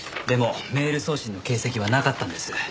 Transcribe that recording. でもメール送信の形跡はなかったんです。